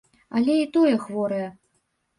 Але і тое хворае.